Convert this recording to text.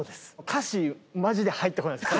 歌詞マジで入ってこないです。